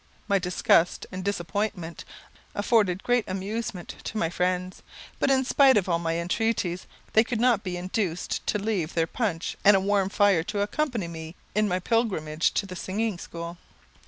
My disgust and disappointment afforded great amusement to my friends; but in spite of all my entreaties, they could not be induced to leave their punch and a warm fire to accompany me in my pilgrimage to the singing school.